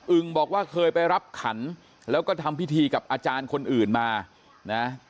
ึงบอกว่าเคยไปรับขันแล้วก็ทำพิธีกับอาจารย์คนอื่นมานะ